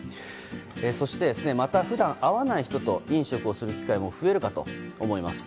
そして、また普段会わない人と飲食をする機会も増えるかと思います。